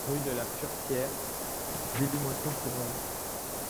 Rue de la Furetière, Villemoisson-sur-Orge